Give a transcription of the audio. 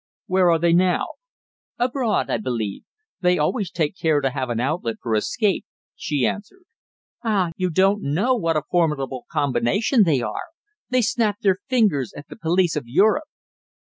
"Where are they now?" "Abroad, I believe. They always take care to have an outlet for escape," she answered. "Ah! you don't know what a formidable combination they are. They snap their fingers at the police of Europe."